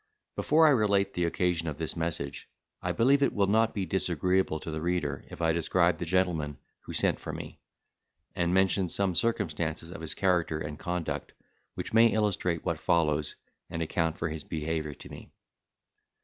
Before I relate the occasion of this message, I believe it will not be disagreeable to the reader, if I describe the gentleman who sent for me, and mention some circumstances of his character and conduct which may illustrate what follows, and account for his behaviour to me.